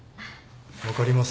分かりますよ。